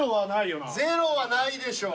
０はないでしょう。